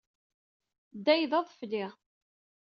Day d aḍefli.